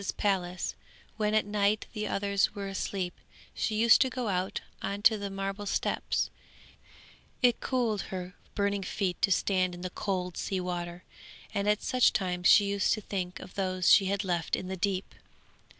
_] At home in the prince's palace, when at night the others were asleep, she used to go out on to the marble steps; it cooled her burning feet to stand in the cold sea water, and at such times she used to think of those she had left in the deep.